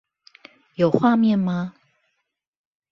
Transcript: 有畫面嗎